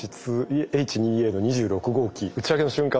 Ｈ２Ａの２６号機打ち上げの瞬間